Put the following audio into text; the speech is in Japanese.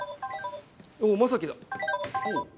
おお将希だ。